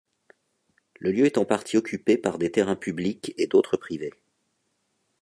Le lieu est en partie occupé par des terrains publiques et d'autres privés.